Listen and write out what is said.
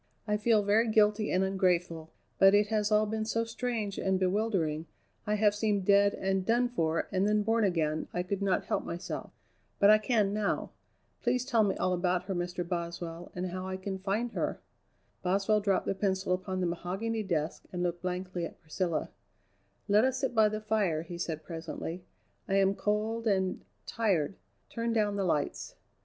I feel very guilty and ungrateful, but it has all been so strange and bewildering, I have seemed dead and done for and then born again, I could not help myself; but I can now. Please tell me all about her, Mr. Boswell, and how I can find her." Boswell dropped the pencil upon the mahogany desk and looked blankly at Priscilla. "Let us sit by the fire," he said presently, "I am cold and tired. Turn down the lights."